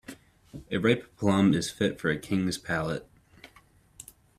A ripe plum is fit for a king's palate.